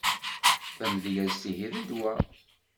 Tamedyazt ihi d ddwa.